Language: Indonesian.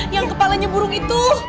yang kepalanya burung itu